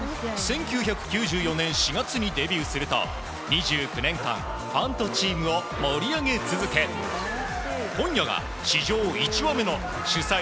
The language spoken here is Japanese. １９９４年４月にデビューすると２９年間ファンとチームを盛り上げ続け今夜が史上１羽目の主催